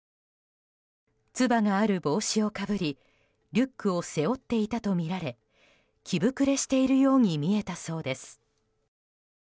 つばがある帽子をかぶりリュックを背負っていたとみられ着膨れしているように見えたそうです。